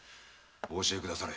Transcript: お教えくだされ。